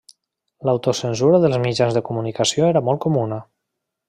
L'autocensura dels mitjans de comunicació era molt comuna.